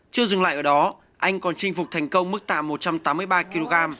chưa dừng lại ở đó anh còn chinh phục thành công mức tạ một trăm tám mươi ba kg